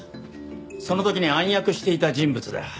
その時に暗躍していた人物だ。